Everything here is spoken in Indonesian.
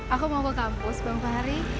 aku mau ke kampus bang fahri